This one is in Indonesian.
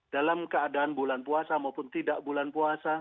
dalam keadaan bulan puasa maupun tidak bulan puasa